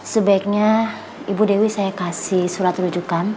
sebaiknya ibu dewi saya kasih surat rujukan